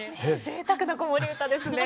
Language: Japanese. ぜいたくな子守歌ですね。